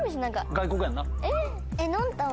外国やんな。